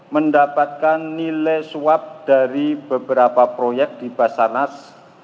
mendapatkan nilai swab dari beberapa proyek di basarnas